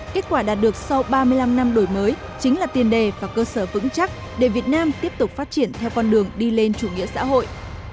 kết quả đạt được sau ba mươi năm năm đổi mới chính là tiền đề và cơ sở vững chắc để việt nam tiếp tục phát triển theo con đường đi lên chủ nghĩa xã hội